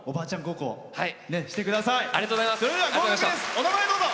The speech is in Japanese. お名前、どうぞ。